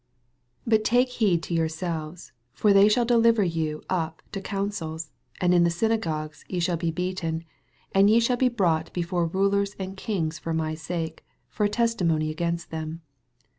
9 But take heed to yourselves : for they shall deliver yon up to councils; and in the synagogues ye shall be beaten ; and ye *hafl be brought be fore rulers and kings for my sake, for testimony against them.